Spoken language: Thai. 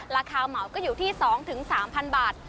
เหมาก็อยู่ที่๒๓๐๐บาท